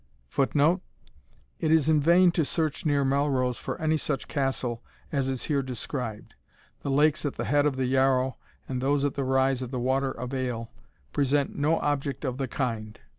[Footnote: It is in vain to search near Melrose for any such castle as is here described. The lakes at the head of the Yarrow, and those at the rise of the water of Ale, present no object of the kind.